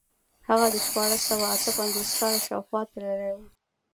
هغه د شپاړس سوه اته پنځوس کال شاوخوا تللی و.